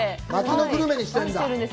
町のグルメにしてるんだ？